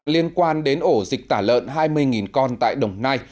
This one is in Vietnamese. liên quan đến ổ dịch tả lợn hai mươi con tại đồng nai